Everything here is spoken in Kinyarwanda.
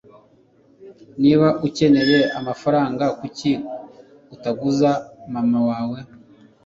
Niba ukeneye amafaranga, kuki utaguza mama wawe?